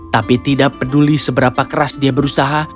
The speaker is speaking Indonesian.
tapi tidak peduli seberapa keras dia berusaha